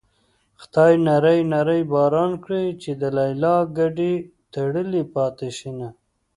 خدايه نری نری باران کړې چې د ليلا ګډې تړلې پاتې شينه